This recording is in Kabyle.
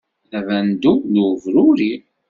D abandu n ubruri.